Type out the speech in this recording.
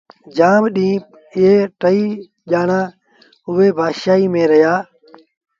جآم ڏيݩهݩ اي ٽئيٚ ڄآڻآݩ اُئي بآشآئيٚ ميݩ رهيآ